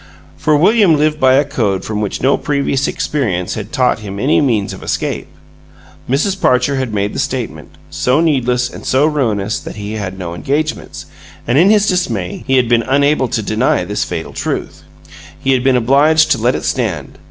For William lived by a code from which no previous experience had taught him any means of escape. Mrs. Parcher had made the statement so needless and so ruinous that he had no engagements; and in his dismay he had been unable to deny this fatal truth; he had been obliged to let it stand.